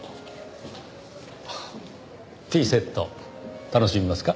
ティーセット楽しみますか。